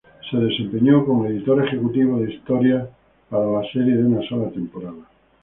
Se desempeñó como editor ejecutivo de historias para la serie de una sola temporada.